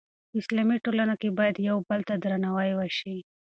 په اسلامي ټولنه کې باید یو بل ته درناوی وشي.